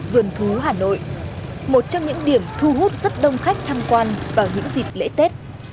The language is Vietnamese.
vườn thú hà nội một trong những điểm thu hút rất đông khách tham quan vào những dịp lễ tết